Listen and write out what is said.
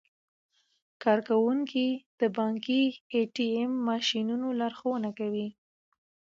کارکوونکي د بانکي ای ټي ایم ماشینونو لارښوونه کوي.